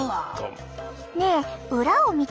ねえ裏を見てみて。